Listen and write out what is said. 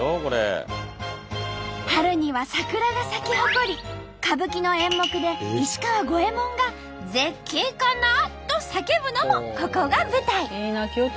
春には桜が咲き誇り歌舞伎の演目で石川五右衛門が「絶景かな」と叫ぶのもここが舞台。